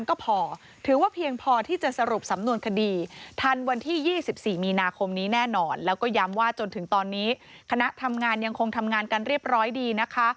ก็ย้ำว่าจนถึงตอนนี้คณะทำงานยังคงทำงานกันเรียบร้อยดีนะคะ